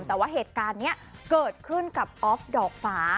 แต่ว่าเหตุการณ์นี้เกิดขึ้นกับออฟดอกฟ้า